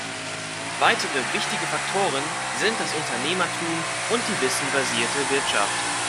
Weitere wichtige Faktoren sind das Unternehmertum und die wissensbasierte Wirtschaft.